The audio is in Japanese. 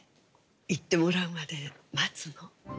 言ってもらうまで待つの。